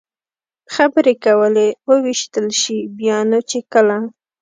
خبرې کولې، ووېشتل شي، بیا نو چې کله.